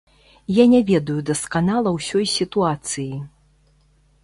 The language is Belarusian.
Я не ведаю дасканала ўсёй сітуацыі.